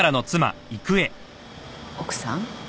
奥さん？